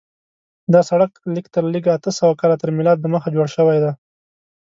دا سړک لږ تر لږه اته سوه کاله تر میلاد دمخه جوړ شوی دی.